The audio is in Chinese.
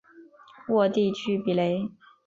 沃地区比雷。